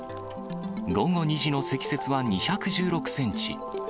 午後２時の積雪は２１６センチ。